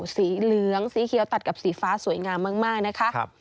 สีเหลืองสีเขียวตัดกับสีฟ้าสวยงามมากนะคะ